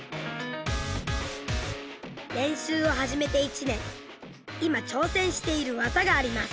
練習を始めて１年今挑戦している技があります。